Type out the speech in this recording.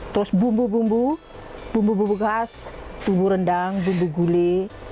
terus bumbu bumbu bumbu bumbu khas bumbu rendang bumbu gulai